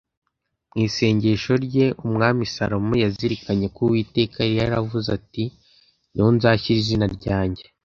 mu isengesho rye, umwami salomo yazirikanye ko uwiteka yari yaravuze ati niho nzashyira izina ryanjye